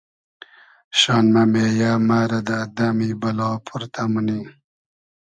شان مۂ مېیۂ مرۂ دۂ دئمی بئلا پۉرتۂ مونی